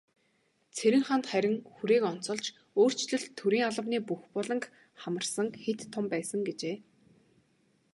Цэрэнханд харин хүрээг онцолж, "өөрчлөлт төрийн албаны бүх буланг хамарсан хэт том байсан" гэжээ.